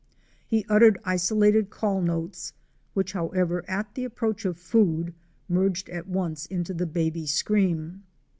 He uttered isolated call notes, which however, at the approach of food, merged at once into the baby scream.